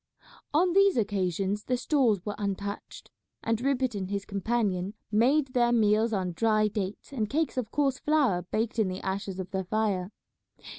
On these occasions the stores were untouched, and Rupert and his companion made their meals on dry dates and cakes of coarse flour baked in the ashes of their fire.